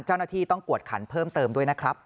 เจ้าหน้าที่ต้องกวดขันเพิ่มเติมด้วยนะครับ